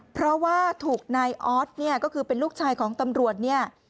เพราะว่าถูกนายออสเนี่ยก็คือเป็นลูกชายของตำรวจเนี่ย